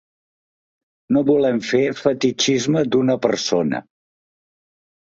No volem fer fetitxisme d’una persona.